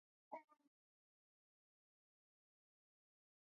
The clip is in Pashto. تاریخ د واقعیتونو ډېره لار لري.